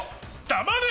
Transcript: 黙れ！